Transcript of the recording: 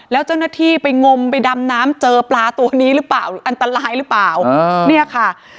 แล้วเจ้าหน้าที่ไปงมไปดำน้ำเจอปลาตัวนี้หรือเปล่าอันตรายหรือเปล่าเนี่ยค่ะ